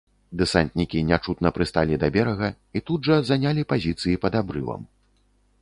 Дэсантнікі нячутна прысталі да берага і тут жа занялі пазіцыі пад абрывам.